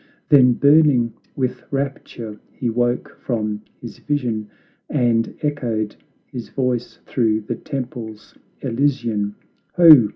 Then, burning with rapture, he woke from his vision, And echoed his voice through the temples elysian: "Ho!